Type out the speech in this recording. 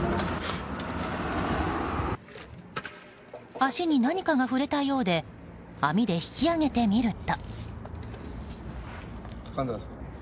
足に何かが触れたようで網で引き上げてみると。